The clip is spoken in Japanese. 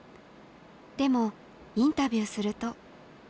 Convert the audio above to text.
でもインタビューすると。